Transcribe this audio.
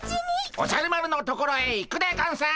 おじゃる丸のところへ行くでゴンス！